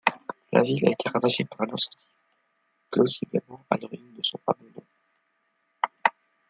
La ville a été ravagée par un incendie, plausiblement à l'origine de son abandon.